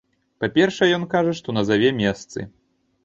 Па-першае, ён кажа, што назаве месцы.